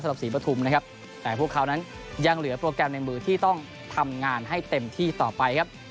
ศรีปฐุมนะครับแต่พวกเขานั้นยังเหลือโปรแกรมในมือที่ต้องทำงานให้เต็มที่ต่อไปครับ